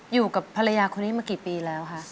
อยู่กับภรรยาคนนี้มากี่ปีแล้วคะ